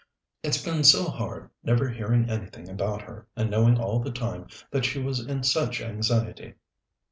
It's been so hard never hearing anything about her, and knowing all the time that she was in such anxiety."